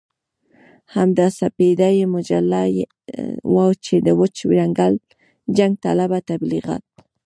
همدا سپېدې مجله وه چې د وچ جنګ طلبه تبليغات.